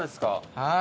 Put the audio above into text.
はい。